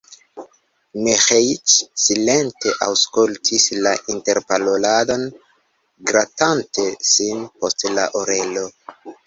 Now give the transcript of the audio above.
Miĥeiĉ silente aŭskultis la interparoladon, gratante sin post la orelo.